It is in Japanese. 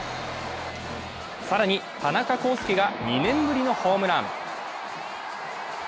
更に田中広輔が２年ぶりのホームラン。